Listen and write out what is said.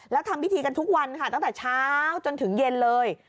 แล้วทำพิธีกันทุกวันค่ะตั้งแต่เช้าจนถึงเย็นเลย